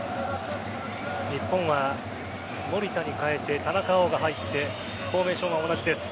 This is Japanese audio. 日本は守田に代えて田中碧が入ってフォーメーションは同じです。